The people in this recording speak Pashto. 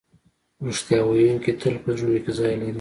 رښتیا ویونکی تل په زړونو کې ځای لري.